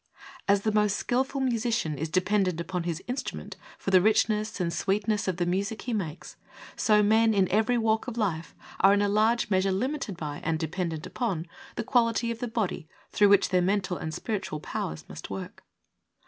As the most skilful musician is dependent upon his instrument for the richness and sweetness of the music he makes, so men, in every walk in life, are in a large measure limited by and dependent upon the quality of the body through which their mental and spiritual powers must work.